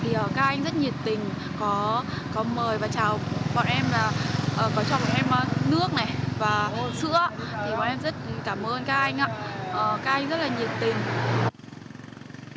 các anh rất nhiệt tình có mời và chào bọn em có cho bọn em nước và sữa thì bọn em rất cảm ơn các anh ạ các anh rất là nhiệt tình